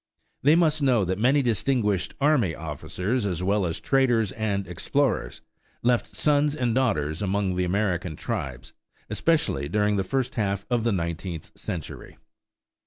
They must know that many distinguished army officers as well as traders and explorers left sons and daughters among the American tribes, especially during the first half of the nineteenth century.